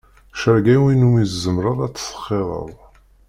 Cerreg ayen umi tzemreḍ ad t-txiḍeḍ.